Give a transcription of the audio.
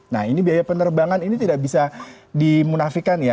nah ini biaya penerbangan ini tidak bisa dimunafikan ya